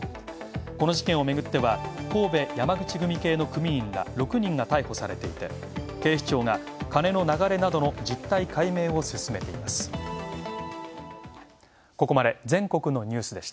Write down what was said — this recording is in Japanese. この事件をめぐっては、神戸山口組系の組員ら６人が逮捕されていて、警視庁が、金の流れなどの実態解明を進めています。